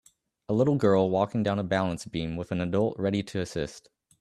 A little girl walking down a balance beam with an adult ready to assist